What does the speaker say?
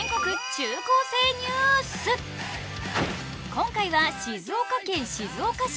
今回は静岡県静岡市。